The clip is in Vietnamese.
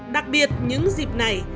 đặc biệt những dịp này